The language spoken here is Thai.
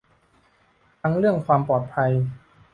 ทั้งเรื่องความปลอดภัย